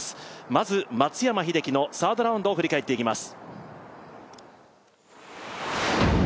まず松山英樹のサードラウンドを振り返っていきます。